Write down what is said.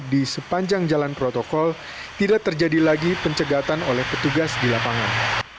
di sepanjang jalan protokol tidak terjadi lagi pencegatan oleh petugas di lapangan